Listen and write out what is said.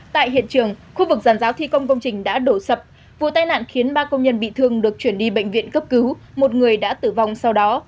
tại hiện trường khu vực giàn giáo thi công công trình đã đổ sập vụ tai nạn khiến ba công nhân bị thương được chuyển đi bệnh viện cấp cứu một người đã tử vong sau đó